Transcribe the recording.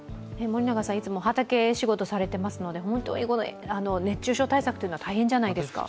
森永さん、いつも畑仕事されていますので、熱中症対策、大変じゃないですか。